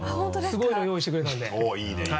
すごいの用意してくれたんで。